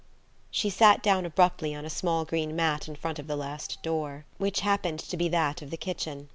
She sat down abruptly on a small green mat in front of the last door, which happened to be that of the kitchen.